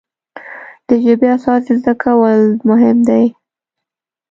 د ژبې اساس زده کول مهم دی.